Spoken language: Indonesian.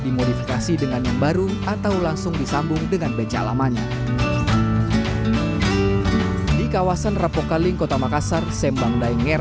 dimodifikasi dengan yang baru atau langsung disambung dengan becak lamanya di kawasan rapokaling kota makassar sembang dan jawa tenggara